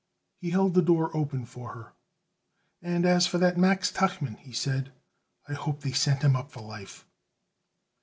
He held the door open for her. "And as for that Max Tuchman," he said, "I hope they send him up for life."